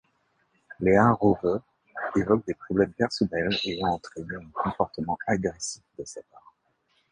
Leah Rowe évoque des problèmes personnels ayant entrainé un comportement agressif de sa part.